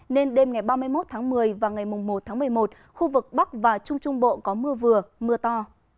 nên đêm ngày ba mươi một tháng một mươi và ngày một tháng một mươi một khu vực bắc và trung trung bộ có mưa vừa mưa to